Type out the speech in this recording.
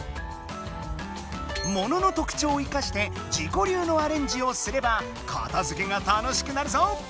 物の特ちょうを生かして自こ流のアレンジをすれば片づけが楽しくなるぞ！